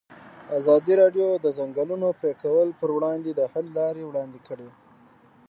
ازادي راډیو د د ځنګلونو پرېکول پر وړاندې د حل لارې وړاندې کړي.